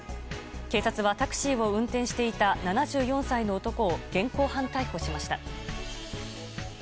警察はタクシーを運転していた７４歳の男を現行犯逮捕しました。